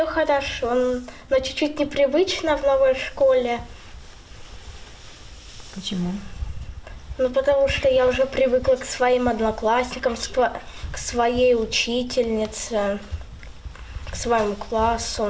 karena saya sudah terbiasa dengan anak anak saya dengan guru saya dengan kelas saya